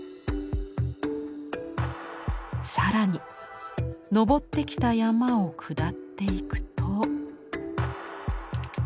更に登ってきた山を下っていくと仁王門。